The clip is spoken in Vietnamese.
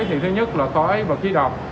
thì thứ nhất là khói và khí độc